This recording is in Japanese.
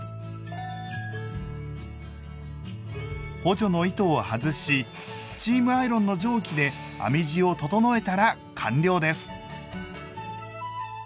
補助の糸を外しスチームアイロンの蒸気で編み地を整えたら完了です。